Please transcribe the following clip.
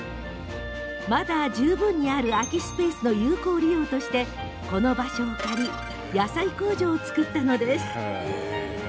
まだ十分にある空きスペースの有効利用として、この場所を借り野菜工場を造ったのです。